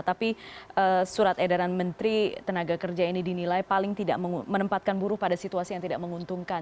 tapi surat edaran menteri tenaga kerja ini dinilai paling tidak menempatkan buruh pada situasi yang tidak menguntungkan